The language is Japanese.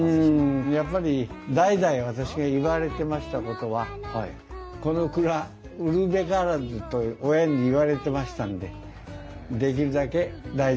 やっぱり代々私が言われてましたことは「この蔵売るべからず」と親に言われてましたんでできるだけ大事にしたいと思ってました。